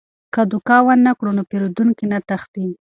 که دوکه ونه کړو نو پیرودونکي نه تښتي.